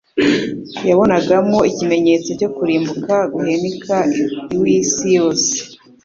yabonagamo ikimenyetso cyo kurimbuka guhenika lw'isi yose.